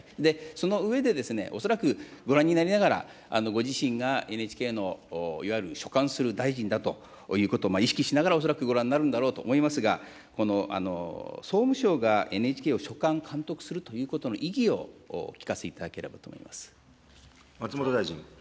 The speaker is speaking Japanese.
その上で、恐らくご覧になりながら、ご自身がＮＨＫのいわゆる所管する大臣だということを意識しながら、恐らくご覧になるんだろうと思いますが、総務省がＮＨＫを所管、監督するということの意義をお聞かせいただければと思います。